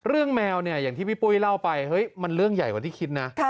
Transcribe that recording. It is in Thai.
แมวเนี่ยอย่างที่พี่ปุ้ยเล่าไปเฮ้ยมันเรื่องใหญ่กว่าที่คิดนะ